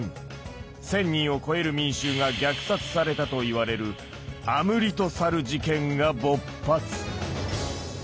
１，０００人を超える民衆が虐殺されたといわれるアムリトサル事件が勃発。